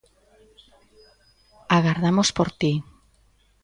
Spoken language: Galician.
Agardamos por ti!